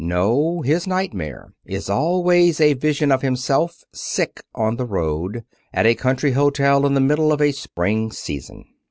No his nightmare is always a vision of himself, sick on the road, at a country hotel in the middle of a Spring season.